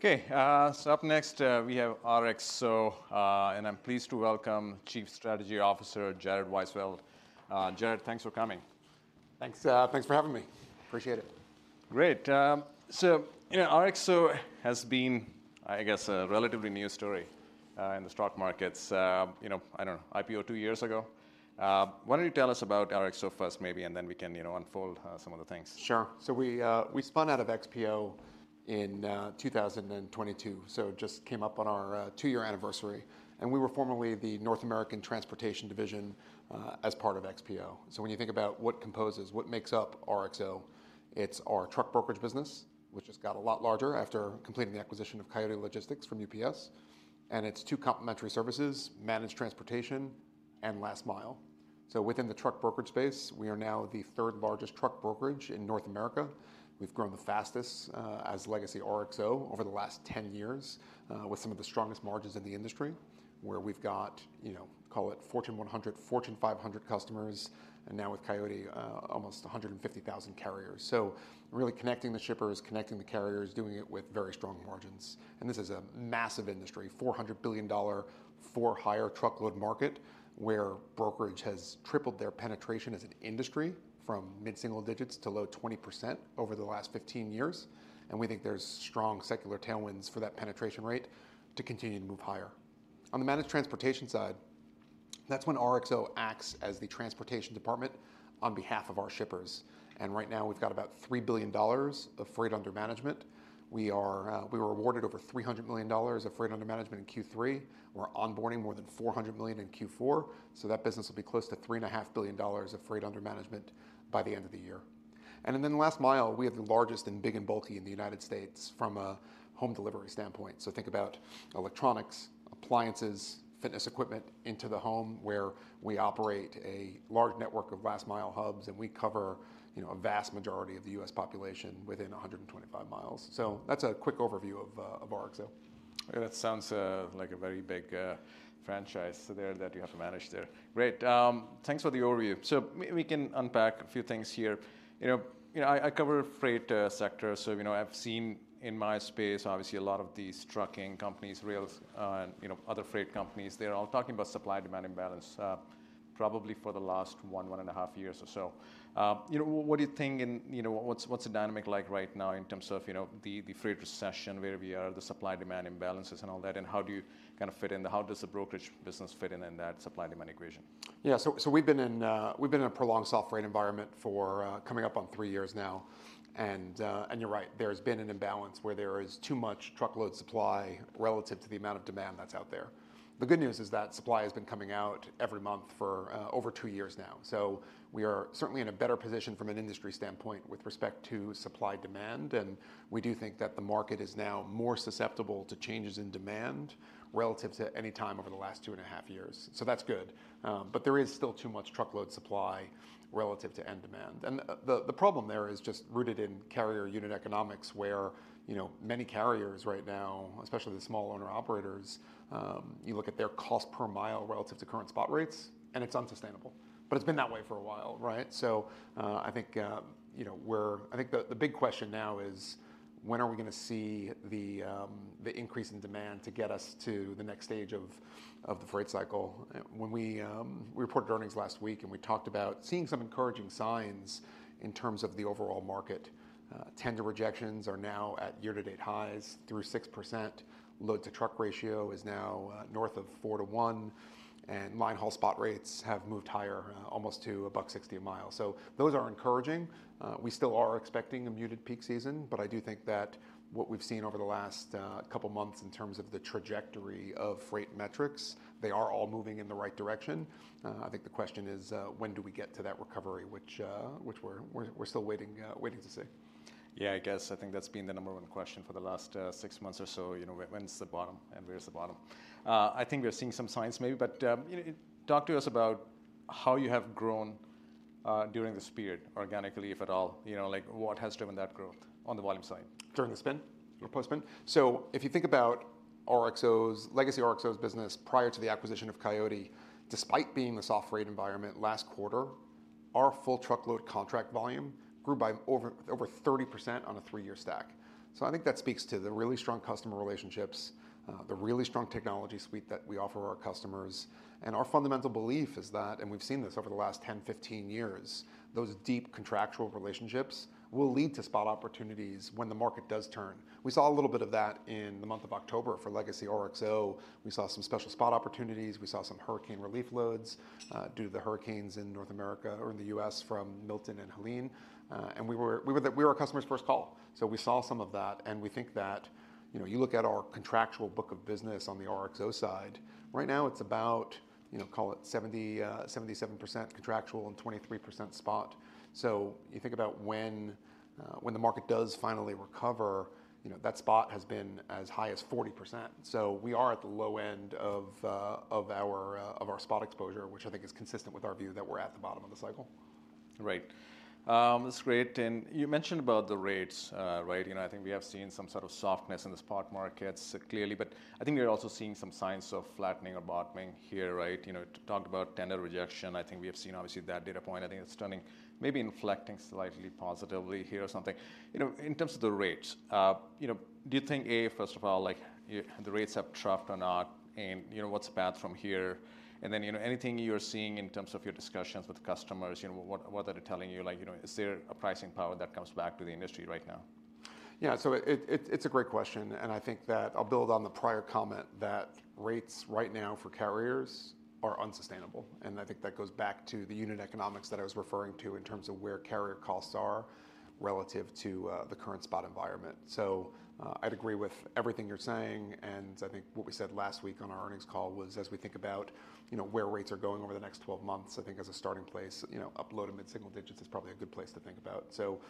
Okay, so up next, we have RXO, and I'm pleased to welcome Chief Strategy Officer Jared Weisfeld. Jared, thanks for coming. Thanks, thanks for having me. Appreciate it. Great. So, you know, RXO has been, I guess, a relatively new story in the stock markets. You know, I don't know, IPO two years ago. Why don't you tell us about RXO first, maybe, and then we can, you know, unfold some of the things. Sure. So we spun out of XPO in 2022, so it just came up on our two-year anniversary. And we were formerly the North American Transportation Division, as part of XPO. So when you think about what composes, what makes up RXO, it's our truck brokerage business, which has got a lot larger after completing the acquisition of Coyote Logistics from UPS. And it's two complementary services: managed transportation and last mile. So within the truck brokerage space, we are now the third-largest truck brokerage in North America. We've grown the fastest, as legacy RXO over the last 10 years, with some of the strongest margins in the industry, where we've got, you know, call it Fortune 100, Fortune 500 customers, and now with Coyote, almost 150,000 carriers. So really connecting the shippers, connecting the carriers, doing it with very strong margins. This is a massive industry, $400 billion for-hire truckload market, where brokerage has tripled their penetration as an industry from mid-single digits to low 20% over the last 15 years. We think there's strong secular tailwinds for that penetration rate to continue to move higher. On the managed transportation side, that's when RXO acts as the transportation department on behalf of our shippers. Right now, we've got about $3 billion of freight under management. We were awarded over $300 million of freight under management in Q3. We're onboarding more than $400 million in Q4. That business will be close to $3.5 billion of freight under management by the end of the year. The last mile, we are the largest in big and bulky in the United States from a home delivery standpoint. Think about electronics, appliances, fitness equipment into the home, where we operate a large network of last-mile hubs, and we cover, you know, a vast majority of the U.S. population within 125 miles. That's a quick overview of RXO. That sounds like a very big franchise there that you have to manage there. Great. Thanks for the overview. So maybe we can unpack a few things here. You know, I cover freight sector. So, you know, I've seen in my space, obviously, a lot of these trucking companies, rails, and, you know, other freight companies, they're all talking about supply-demand imbalance, probably for the last one and a half years or so. You know, what do you think, you know, what's the dynamic like right now in terms of, you know, the freight recession, where we are, the supply-demand imbalances and all that? And how do you kind of fit in? How does the brokerage business fit in, in that supply-demand equation? Yeah. So we've been in a prolonged soft freight environment for, coming up on three years now. And you're right, there's been an imbalance where there is too much truckload supply relative to the amount of demand that's out there. The good news is that supply has been coming out every month for, over two years now. So we are certainly in a better position from an industry standpoint with respect to supply-demand. And we do think that the market is now more susceptible to changes in demand relative to any time over the last two and a half years. So that's good. But there is still too much truckload supply relative to end demand. And the problem there is just rooted in carrier unit economics, where, you know, many carriers right now, especially the small owner operators, you look at their cost per mile relative to current spot rates, and it's unsustainable. But it's been that way for a while, right? So, I think, you know, I think the big question now is, when are we gonna see the increase in demand to get us to the next stage of the freight cycle? And when we reported earnings last week, and we talked about seeing some encouraging signs in terms of the overall market. Tender rejections are now at year-to-date highs, through 6%. Load-to-truck ratio is now north of 4 to 1. And linehaul spot rates have moved higher, almost to $1.60 a mile. So those are encouraging. We still are expecting a muted peak season, but I do think that what we've seen over the last couple months in terms of the trajectory of freight metrics, they are all moving in the right direction. I think the question is, when do we get to that recovery, which we're still waiting to see. Yeah, I guess. I think that's been the number one question for the last six months or so. You know, when's the bottom, and where's the bottom? I think we're seeing some signs maybe, but, you know, talk to us about how you have grown, during the speed, organically, if at all. You know, like, what has driven that growth on the volume side? During the spin or post-spin? So if you think about RXO's legacy business prior to the acquisition of Coyote, despite being the soft freight environment, last quarter, our full truckload contract volume grew by over, over 30% on a three-year stack. So I think that speaks to the really strong customer relationships, the really strong technology suite that we offer our customers. And our fundamental belief is that, and we've seen this over the last 10, 15 years, those deep contractual relationships will lead to spot opportunities when the market does turn. We saw a little bit of that in the month of October for legacy RXO. We saw some special spot opportunities. We saw some hurricane relief loads, due to the hurricanes in North America or in the U.S. from Milton and Helene, and we were customers' first call. We saw some of that. We think that, you know, you look at our contractual book of business on the RXO side, right now it's about, you know, call it 70%-77% contractual and 23% spot. You think about when the market does finally recover, you know, that spot has been as high as 40%. We are at the low end of our spot exposure, which I think is consistent with our view that we're at the bottom of the cycle. Right. That's great. And you mentioned about the rates, right? You know, I think we have seen some sort of softness in the spot markets clearly, but I think we're also seeing some signs of flattening or bottoming here, right? You know, talked about tender rejection. I think we have seen, obviously, that data point. I think it's turning maybe inflecting slightly positively here or something. You know, in terms of the rates, you know, do you think, A, first of all, like, the rates have troughed or not? And, you know, what's the path from here? And then, you know, anything you're seeing in terms of your discussions with customers, you know, what, what are they telling you? Like, you know, is there a pricing power that comes back to the industry right now? Yeah. So it's a great question. And I think that I'll build on the prior comment that rates right now for carriers are unsustainable. And I think that goes back to the unit economics that I was referring to in terms of where carrier costs are relative to the current spot environment. So I'd agree with everything you're saying. And I think what we said last week on our earnings call was, as we think about, you know, where rates are going over the next 12 months, I think as a starting place, you know, up low- to mid-single digit is probably a good place to think about. So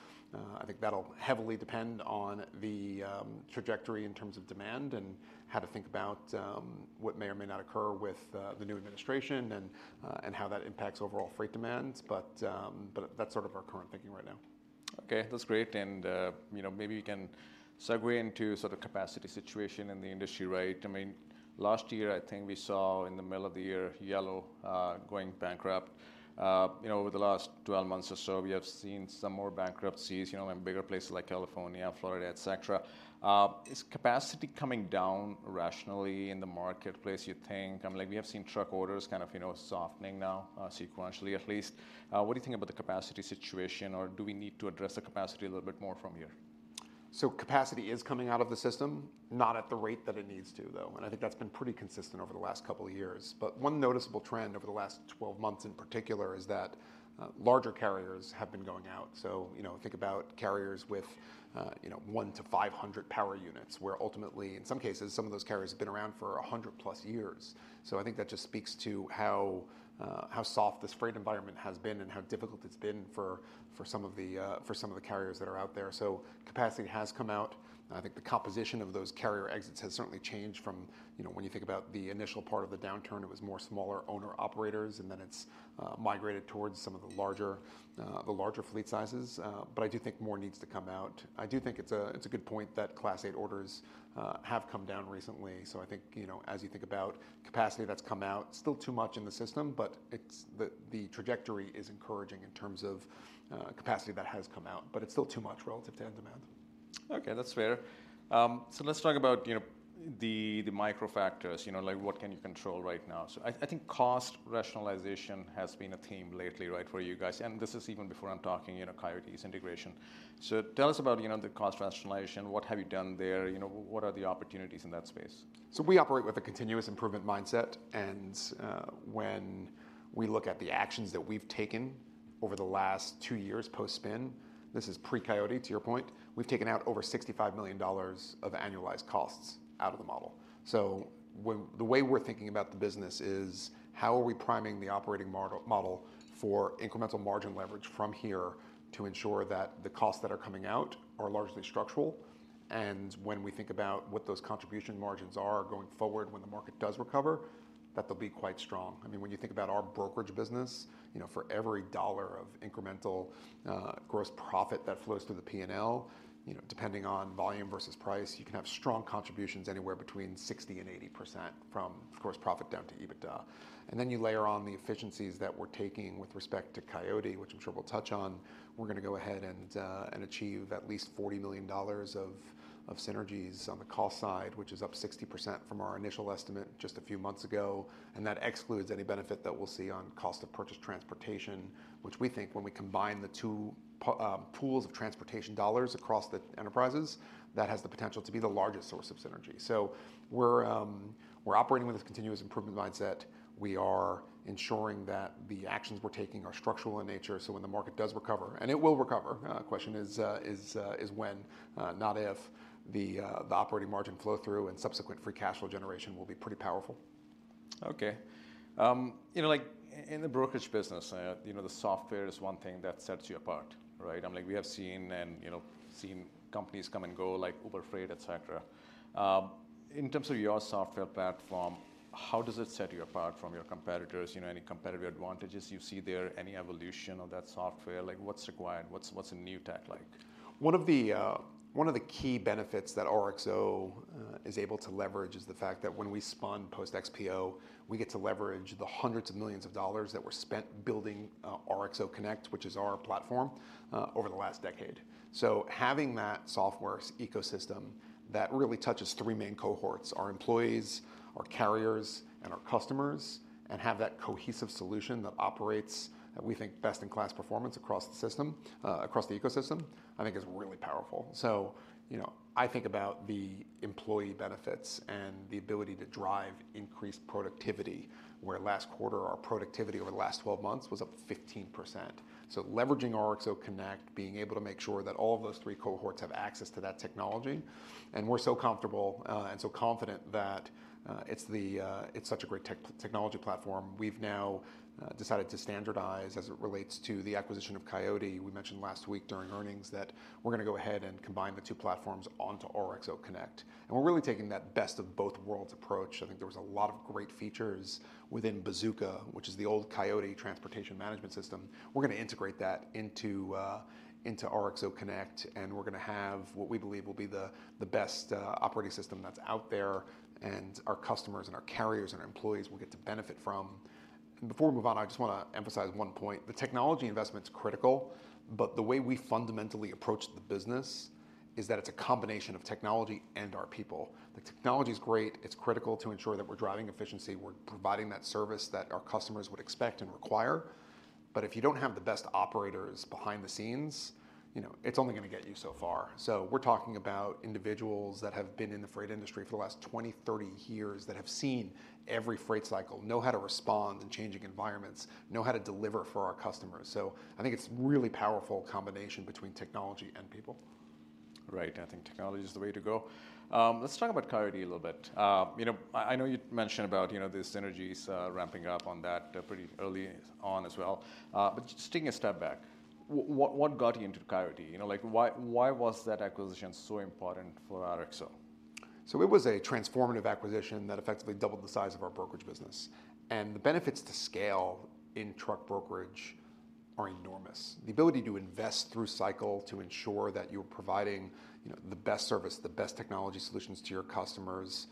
I think that'll heavily depend on the trajectory in terms of demand and how to think about what may or may not occur with the new administration and how that impacts overall freight demands. But that's sort of our current thinking right now. Okay. That's great. And, you know, maybe we can segue into sort of capacity situation in the industry, right? I mean, last year, I think we saw in the middle of the year, Yellow, going bankrupt. You know, over the last 12 months or so, we have seen some more bankruptcies, you know, in bigger places like California, Florida, etc. Is capacity coming down rationally in the marketplace, you think? I mean, like, we have seen truck orders kind of, you know, softening now, sequentially at least. What do you think about the capacity situation, or do we need to address the capacity a little bit more from here? So capacity is coming out of the system, not at the rate that it needs to, though. And I think that's been pretty consistent over the last couple of years. But one noticeable trend over the last 12 months in particular is that larger carriers have been going out. So you know, think about carriers with you know, one to 500 power units, where ultimately, in some cases, some of those carriers have been around for 100-plus years. So I think that just speaks to how soft this freight environment has been and how difficult it's been for some of the carriers that are out there. So capacity has come out. I think the composition of those carrier exits has certainly changed from, you know, when you think about the initial part of the downturn. It was more smaller owner operators, and then it's migrated towards some of the larger fleet sizes, but I do think more needs to come out. I do think it's a good point that Class 8 orders have come down recently, so I think, you know, as you think about capacity that's come out, still too much in the system, but the trajectory is encouraging in terms of capacity that has come out, but it's still too much relative to end demand. Okay. That's fair, so let's talk about, you know, the micro factors, you know, like, what can you control right now, so I think cost rationalization has been a theme lately, right, for you guys. And this is even before I'm talking, you know, Coyote's integration, so tell us about, you know, the cost rationalization. What have you done there? You know, what are the opportunities in that space? So we operate with a continuous improvement mindset. And, when we look at the actions that we've taken over the last two years post-spin, this is pre-Coyote, to your point, we've taken out over $65 million of annualized costs out of the model. So when the way we're thinking about the business is, how are we priming the operating model for incremental margin leverage from here to ensure that the costs that are coming out are largely structural? And when we think about what those contribution margins are going forward, when the market does recover, that they'll be quite strong. I mean, when you think about our brokerage business, you know, for every dollar of incremental gross profit that flows through the P&L, you know, depending on volume versus price, you can have strong contributions anywhere between 60%-80% from gross profit down to EBITDA. And then you layer on the efficiencies that we're taking with respect to Coyote, which I'm sure we'll touch on. We're gonna go ahead and achieve at least $40 million of synergies on the cost side, which is up 60% from our initial estimate just a few months ago. And that excludes any benefit that we'll see on cost of purchase transportation, which we think when we combine the two pools of transportation dollars across the enterprises, that has the potential to be the largest source of synergy. So we're operating with this continuous improvement mindset. We are ensuring that the actions we're taking are structural in nature. So when the market does recover, and it will recover, the question is when, not if, the operating margin flow-through and subsequent free cash flow generation will be pretty powerful. Okay. You know, like, in the brokerage business, you know, the software is one thing that sets you apart, right? I mean, like, we have seen and, you know, companies come and go, like Uber Freight, etc., in terms of your software platform, how does it set you apart from your competitors? You know, any competitive advantages you see there? Any evolution of that software? Like, what's required? What's a new tech like? One of the key benefits that RXO is able to leverage is the fact that when we spun post-XPO, we get to leverage the hundreds of millions of dollars that were spent building RXO Connect, which is our platform, over the last decade. So having that software ecosystem that really touches three main cohorts, our employees, our carriers, and our customers, and have that cohesive solution that operates at, we think, best-in-class performance across the system, across the ecosystem, I think is really powerful. So, you know, I think about the employee benefits and the ability to drive increased productivity, where last quarter our productivity over the last 12 months was up 15%. So leveraging RXO Connect, being able to make sure that all of those three cohorts have access to that technology. And we're so comfortable, and so confident that it's such a great technology platform. We've now decided to standardize as it relates to the acquisition of Coyote. We mentioned last week during earnings that we're gonna go ahead and combine the two platforms onto RXO Connect. And we're really taking that best-of-both-worlds approach. I think there was a lot of great features within Bazooka, which is the old Coyote transportation management system. We're gonna integrate that into RXO Connect. And we're gonna have what we believe will be the best operating system that's out there. And our customers and our carriers and our employees will get to benefit from. And before we move on, I just wanna emphasize one point. The technology investment's critical, but the way we fundamentally approach the business is that it's a combination of technology and our people. The technology's great. It's critical to ensure that we're driving efficiency. We're providing that service that our customers would expect and require. But if you don't have the best operators behind the scenes, you know, it's only gonna get you so far. So we're talking about individuals that have been in the freight industry for the last 20, 30 years that have seen every freight cycle, know how to respond in changing environments, know how to deliver for our customers. So I think it's a really powerful combination between technology and people. Right. I think technology's the way to go. Let's talk about Coyote a little bit. You know, I know you mentioned about, you know, the synergies, ramping up on that, pretty early on as well. But just taking a step back, what got you into Coyote? You know, like, why was that acquisition so important for RXO? So it was a transformative acquisition that effectively doubled the size of our brokerage business. And the benefits to scale in truck brokerage are enormous. The ability to invest through cycle to ensure that you're providing, you know, the best service, the best technology solutions to your customers.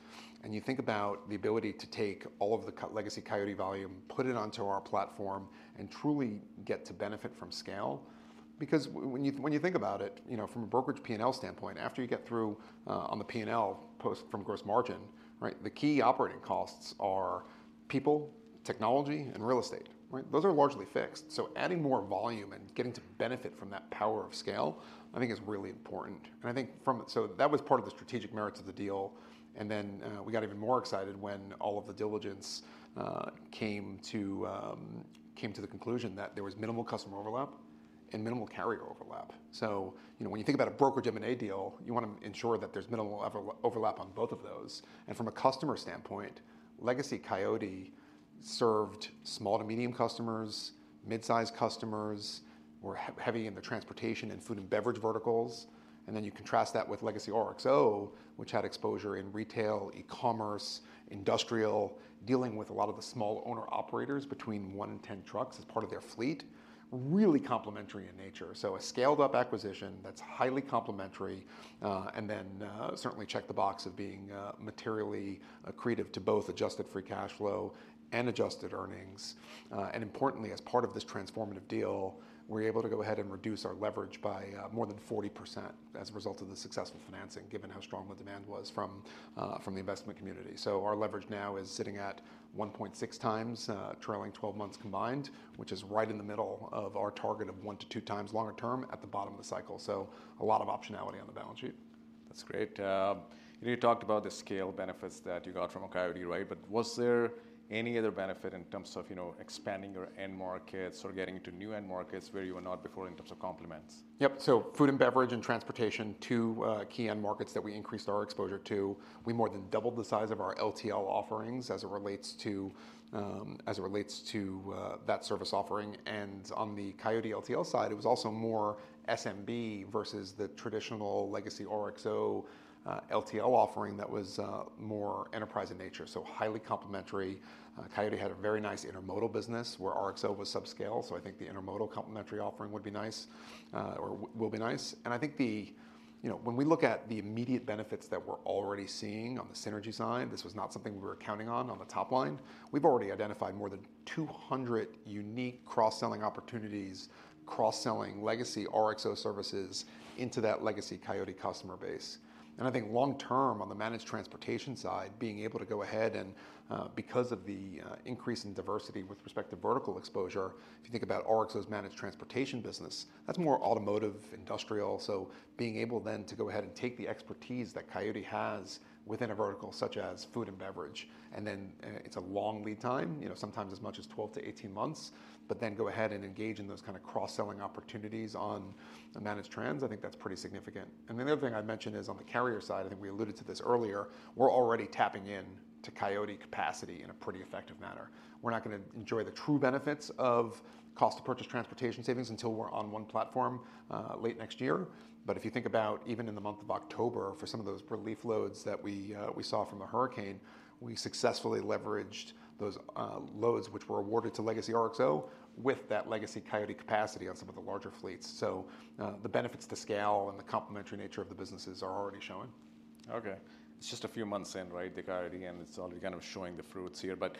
And you think about the ability to take all of the legacy Coyote volume, put it onto our platform, and truly get to benefit from scale. Because when you think about it, you know, from a brokerage P&L standpoint, after you get through, on the P&L post from gross margin, right, the key operating costs are people, technology, and real estate, right? Those are largely fixed. So adding more volume and getting to benefit from that power of scale, I think, is really important. And I think, so that was part of the strategic merits of the deal. And then, we got even more excited when all of the diligence came to the conclusion that there was minimal customer overlap and minimal carrier overlap. So, you know, when you think about a brokerage M&A deal, you wanna ensure that there's minimal overlap on both of those. And from a customer standpoint, legacy Coyote served small to medium customers, mid-sized customers, were heavy in the transportation and food and beverage verticals. And then you contrast that with legacy RXO, which had exposure in retail, e-commerce, industrial, dealing with a lot of the small owner operators between one and 10 trucks as part of their fleet, really complementary in nature. So a scaled-up acquisition that's highly complementary, and then certainly check the box of being materially accretive to both adjusted free cash flow and adjusted earnings. Importantly, as part of this transformative deal, we're able to go ahead and reduce our leverage by more than 40% as a result of the successful financing, given how strong the demand was from the investment community. Our leverage now is sitting at 1.6 times, trailing 12 months combined, which is right in the middle of our target of 1-2 times longer term at the bottom of the cycle. So a lot of optionality on the balance sheet. That's great. You know, you talked about the scale benefits that you got from Coyote, right? But was there any other benefit in terms of, you know, expanding your end markets or getting into new end markets where you were not before in terms of complements? Yep. Food and beverage and transportation, two key end markets that we increased our exposure to. We more than doubled the size of our LTL offerings as it relates to that service offering. On the Coyote LTL side, it was also more SMB versus the traditional legacy RXO LTL offering that was more enterprise in nature. Highly complementary. Coyote had a very nice intermodal business where RXO was subscale. I think the intermodal complementary offering would be nice, or will be nice. I think the you know, when we look at the immediate benefits that we're already seeing on the synergy side, this was not something we were counting on on the top line. We've already identified more than 200 unique cross-selling opportunities, cross-selling legacy RXO services into that legacy Coyote customer base. I think long-term on the managed transportation side, being able to go ahead and, because of the increase in diversity with respect to vertical exposure, if you think about RXO's managed transportation business, that's more automotive, industrial. So being able then to go ahead and take the expertise that Coyote has within a vertical such as food and beverage, and then, it's a long lead time, you know, sometimes as much as 12-18 months, but then go ahead and engage in those kind of cross-selling opportunities on managed transportation, I think that's pretty significant. The other thing I'd mention is on the carrier side, I think we alluded to this earlier, we're already tapping into Coyote capacity in a pretty effective manner. We're not gonna enjoy the true benefits of cost of purchased transportation savings until we're on one platform, late next year. But if you think about even in the month of October for some of those relief loads that we saw from the hurricane, we successfully leveraged those loads which were awarded to legacy RXO with that legacy Coyote capacity on some of the larger fleets. So, the benefits to scale and the complementary nature of the businesses are already showing. Okay. It's just a few months in, right, the Coyote, and it's already kind of showing the fruits here. But,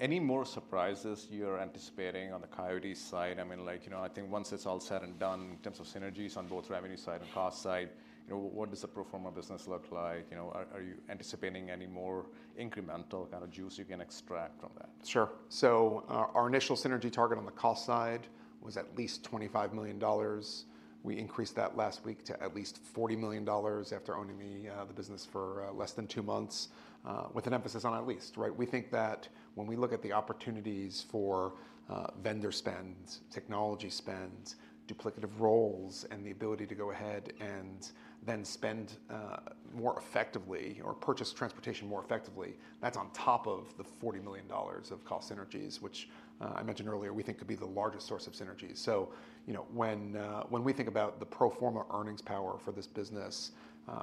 any more surprises you're anticipating on the Coyote side? I mean, like, you know, I think once it's all said and done in terms of synergies on both revenue side and cost side, you know, what does the pro forma business look like? You know, are you anticipating any more incremental kind of juice you can extract from that? Sure. So, our initial synergy target on the cost side was at least $25 million. We increased that last week to at least $40 million after owning the business for less than two months, with an emphasis on at least, right? We think that when we look at the opportunities for vendor spends, technology spends, duplicative roles, and the ability to go ahead and then spend more effectively or purchase transportation more effectively, that's on top of the $40 million of cost synergies, which I mentioned earlier, we think could be the largest source of synergies. So, you know, when we think about the pro forma earnings power for this business,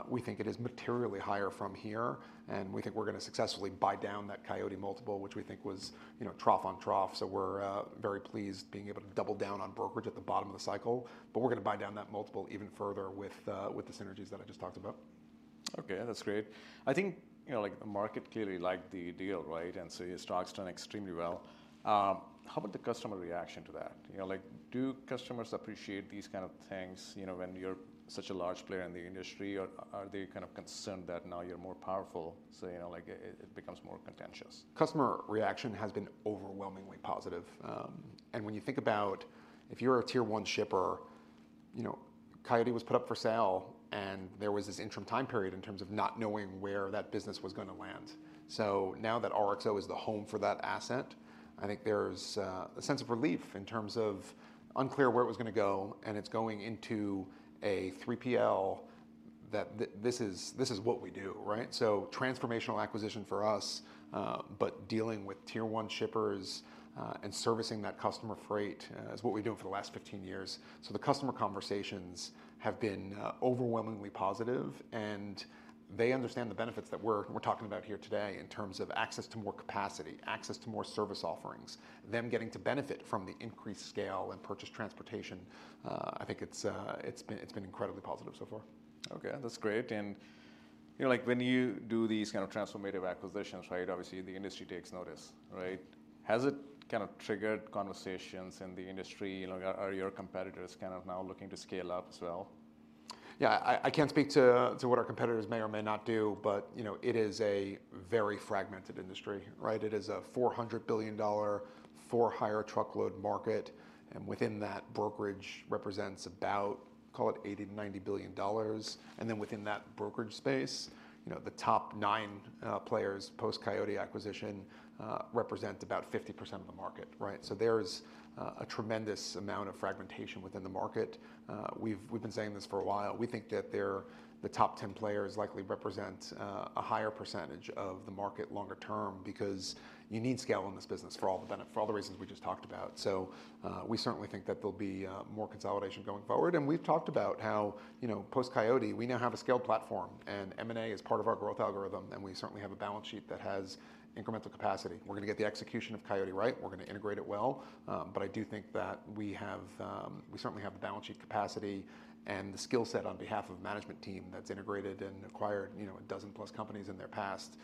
we think it is materially higher from here. And we think we're gonna successfully buy down that Coyote multiple, which we think was, you know, trough on trough. We're very pleased being able to double down on brokerage at the bottom of the cycle. We're gonna buy down that multiple even further with the synergies that I just talked about. Okay. That's great. I think, you know, like, the market clearly liked the deal, right? And so your stocks turned extremely well. How about the customer reaction to that? You know, like, do customers appreciate these kind of things, you know, when you're such a large player in the industry? Or are they kind of concerned that now you're more powerful, so, you know, like, it becomes more contentious? Customer reaction has been overwhelmingly positive, and when you think about if you're a tier one shipper, you know, Coyote was put up for sale, and there was this interim time period in terms of not knowing where that business was gonna land. So now that RXO is the home for that asset, I think there's a sense of relief in terms of unclear where it was gonna go. And it's going into a 3PL that this is what we do, right? So transformational acquisition for us, but dealing with tier one shippers, and servicing that customer freight, is what we've been doing for the last 15 years. So the customer conversations have been overwhelmingly positive. They understand the benefits that we're talking about here today in terms of access to more capacity, access to more service offerings, them getting to benefit from the increased scale and purchase transportation. I think it's been incredibly positive so far. Okay. That's great. And, you know, like, when you do these kind of transformative acquisitions, right, obviously the industry takes notice, right? Has it kind of triggered conversations in the industry? You know, are your competitors kind of now looking to scale up as well? Yeah. I can't speak to what our competitors may or may not do, but you know, it is a very fragmented industry, right? It is a $400 billion for-hire truckload market, and within that, brokerage represents about, call it $80 billion-$90 billion. And then within that brokerage space, you know, the top nine players post-Coyote acquisition represent about 50% of the market, right? So there's a tremendous amount of fragmentation within the market. We've been saying this for a while. We think that the top 10 players likely represent a higher percentage of the market longer term because you need scale in this business for all the benefits, for all the reasons we just talked about, so we certainly think that there'll be more consolidation going forward. We've talked about how, you know, post-Coyote, we now have a scaled platform, and M&A is part of our growth algorithm. We certainly have a balance sheet that has incremental capacity. We're gonna get the execution of Coyote right. We're gonna integrate it well. But I do think that we have, we certainly have the balance sheet capacity and the skill set on behalf of a management team that's integrated and acquired, you know, a dozen plus companies in their past,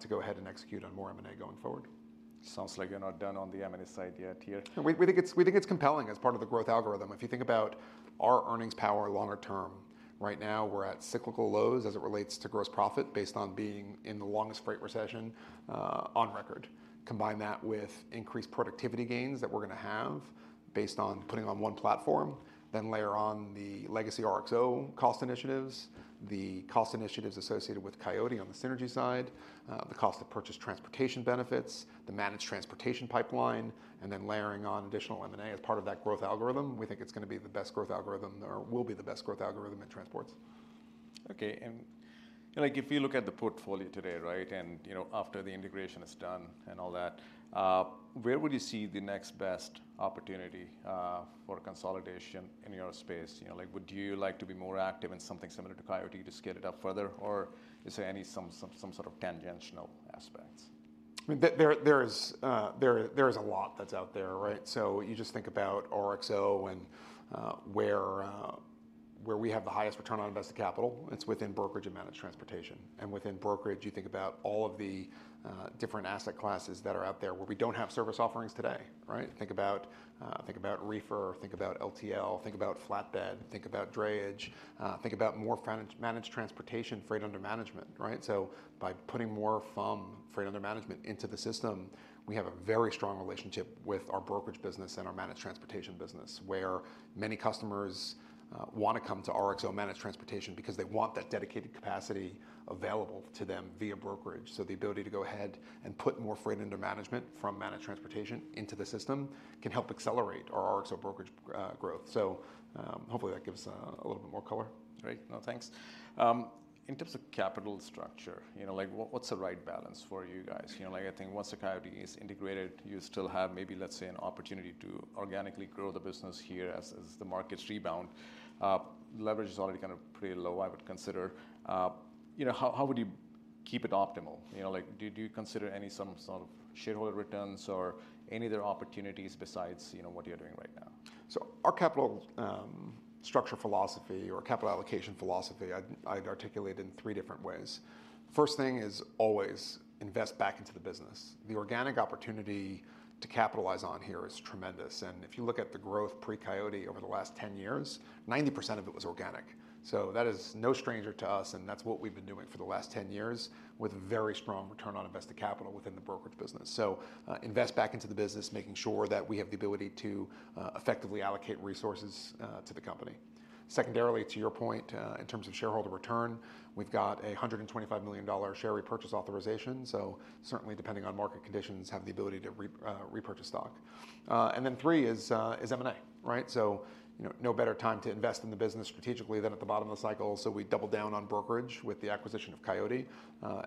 to go ahead and execute on more M&A going forward. Sounds like you're not done on the M&A side yet here. We think it's compelling as part of the growth algorithm. If you think about our earnings power longer term, right now we're at cyclical lows as it relates to gross profit based on being in the longest freight recession on record. Combine that with increased productivity gains that we're gonna have based on putting on one platform, then layer on the legacy RXO cost initiatives, the cost initiatives associated with Coyote on the synergy side, the cost of purchase transportation benefits, the managed transportation pipeline, and then layering on additional M&A as part of that growth algorithm, we think it's gonna be the best growth algorithm or will be the best growth algorithm in transports. Okay, and, you know, like, if you look at the portfolio today, right, and, you know, after the integration is done and all that, where would you see the next best opportunity for consolidation in your space? You know, like, would you like to be more active in something similar to Coyote to scale it up further, or is there any some sort of tangential aspects? I mean, there is a lot that's out there, right? So you just think about RXO and where we have the highest return on invested capital. It's within brokerage and managed transportation. And within brokerage, you think about all of the different asset classes that are out there where we don't have service offerings today, right? Think about reefer, think about LTL, think about flatbed, think about drayage, think about more managed transportation freight under management, right? So by putting more freight under management into the system, we have a very strong relationship with our brokerage business and our managed transportation business where many customers wanna come to RXO managed transportation because they want that dedicated capacity available to them via brokerage. So the ability to go ahead and put more freight under management from managed transportation into the system can help accelerate our RXO brokerage growth. So, hopefully that gives a little bit more color. Great. No, thanks. In terms of capital structure, you know, like, what, what's the right balance for you guys? You know, like, I think once the Coyote is integrated, you still have maybe, let's say, an opportunity to organically grow the business here as the markets rebound. Leverage is already kind of pretty low, I would consider. You know, how would you keep it optimal? You know, like, do you consider some sort of shareholder returns or any other opportunities besides, you know, what you're doing right now? So our capital structure philosophy or capital allocation philosophy, I'd articulate in three different ways. First thing is always invest back into the business. The organic opportunity to capitalize on here is tremendous. And if you look at the growth pre-Coyote over the last 10 years, 90% of it was organic. So that is no stranger to us. And that's what we've been doing for the last 10 years with very strong return on invested capital within the brokerage business. So, invest back into the business, making sure that we have the ability to effectively allocate resources to the company. Secondarily, to your point, in terms of shareholder return, we've got a $125 million share repurchase authorization. So certainly, depending on market conditions, have the ability to repurchase stock. And then three is M&A, right? So, you know, no better time to invest in the business strategically than at the bottom of the cycle. So we doubled down on brokerage with the acquisition of Coyote,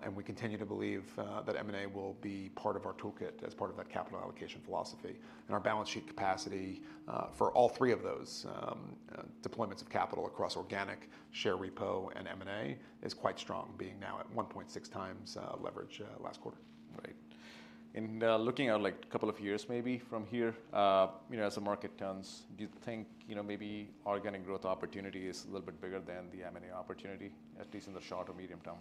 and we continue to believe that M&A will be part of our toolkit as part of that capital allocation philosophy. And our balance sheet capacity for all three of those deployments of capital across organic share repo and M&A is quite strong, being now at 1.6 times leverage last quarter. Great. And, looking at, like, a couple of years maybe from here, you know, as the market turns, do you think, you know, maybe organic growth opportunity is a little bit bigger than the M&A opportunity, at least in the short or medium term?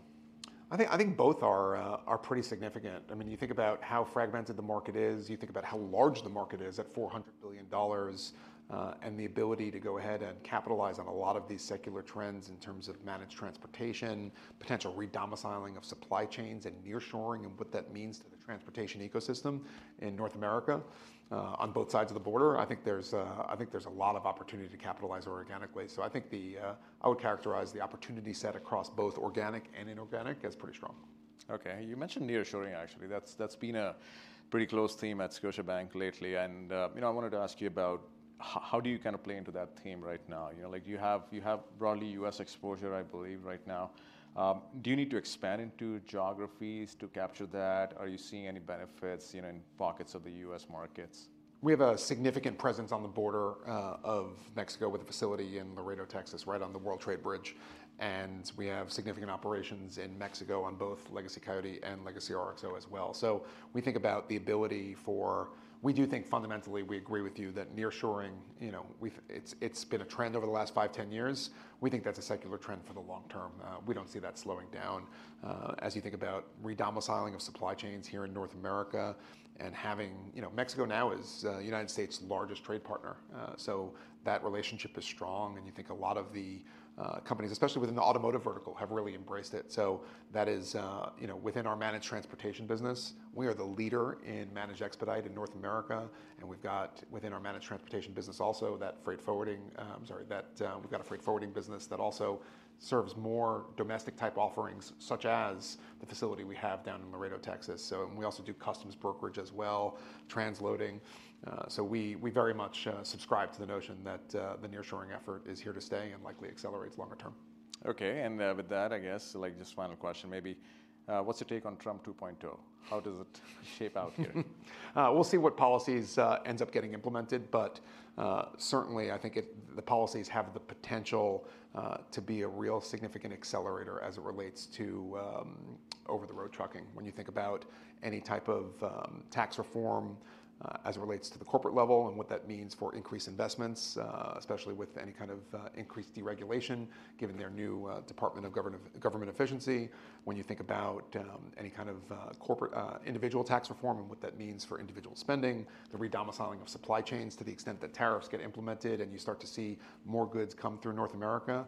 I think both are pretty significant. I mean, you think about how fragmented the market is, you think about how large the market is at $400 billion, and the ability to go ahead and capitalize on a lot of these secular trends in terms of managed transportation, potential redomiciling of supply chains and nearshoring, and what that means to the transportation ecosystem in North America, on both sides of the border. I think there's a lot of opportunity to capitalize organically. I think I would characterize the opportunity set across both organic and inorganic as pretty strong. Okay. You mentioned nearshoring, actually. That's been a pretty close theme at Scotiabank lately. And, you know, I wanted to ask you about how do you kind of play into that theme right now? You know, like, you have broadly U.S. exposure, I believe, right now. Do you need to expand into geographies to capture that? Are you seeing any benefits, you know, in pockets of the U.S. markets? We have a significant presence on the border of Mexico with a facility in Laredo, Texas, right on the World Trade Bridge, and we have significant operations in Mexico on both legacy Coyote and legacy RXO as well, so we think about the ability for. We do think fundamentally we agree with you that nearshoring, you know, we've, it's been a trend over the last five, 10 years. We think that's a secular trend for the long term. We don't see that slowing down. As you think about redomiciling of supply chains here in North America and having, you know, Mexico now is the United States' largest trade partner, so that relationship is strong, and you think a lot of the companies, especially within the automotive vertical, have really embraced it. That is, you know, within our managed transportation business, we are the leader in managed expedite in North America. We have got, within our managed transportation business, also that freight forwarding, sorry, that. We have got a freight forwarding business that also serves more domestic-type offerings, such as the facility we have down in Laredo, Texas. We also do customs brokerage as well, transloading. We very much subscribe to the notion that the nearshoring effort is here to stay and likely accelerates longer term. Okay. And, with that, I guess, like, just final question maybe, what's your take on Trump 2.0? How does it shape out here? We'll see what policies end up getting implemented, but certainly, I think if the policies have the potential to be a real significant accelerator as it relates to over-the-road trucking, when you think about any type of tax reform as it relates to the corporate level and what that means for increased investments, especially with any kind of increased deregulation given their new Department of Government Efficiency. When you think about any kind of corporate individual tax reform and what that means for individual spending, the redomiciling of supply chains to the extent that tariffs get implemented and you start to see more goods come through North America,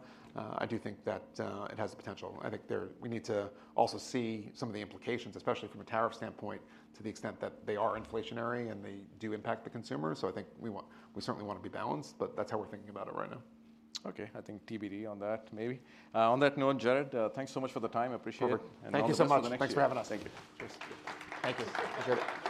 I do think that it has the potential. I think there we need to also see some of the implications, especially from a tariff standpoint, to the extent that they are inflationary and they do impact the consumer. So I think we want, we certainly wanna be balanced, but that's how we're thinking about it right now. Okay. I think TBD on that maybe. On that note, Jared, thanks so much for the time. Appreciate it. Perfect. Thank you so much. Thanks for having us. Thank you. Cheers. Thank you.